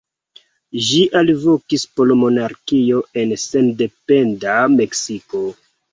Ĝi alvokis por monarkio en sendependa Meksiko.